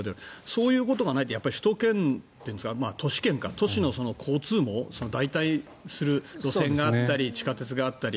そういうことがないって首都圏っていうか都市の交通網代替する路線があったり地下鉄があったり。